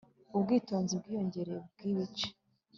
Ubwitonzi bwiyongereye bwibice